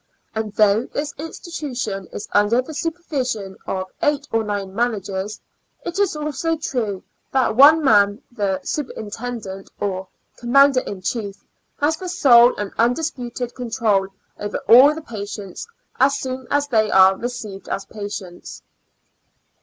And though this= institution is under the supervision of' eight or nine managers, it is also true, that one man, the superintendent or commander in chief, has the sole and undisputed control over all the patients as soon as they are received as patients.